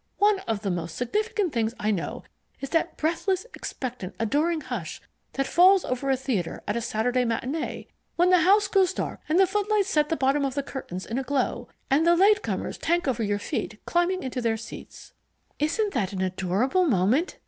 One of the most significant things I know is that breathless, expectant, adoring hush that falls over a theatre at a Saturday matinee, when the house goes dark and the footlights set the bottom of the curtain in a glow, and the latecomers tank over your feet climbing into their seats " "Isn't it an adorable moment!"